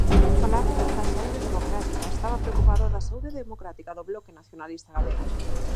Falaba da saúde democrática, estaba preocupado da saúde democrática do Bloque Nacionalista Galego.